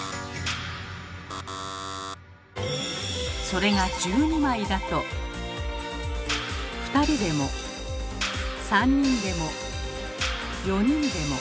それが１２枚だと２人でも３人でも４人でも。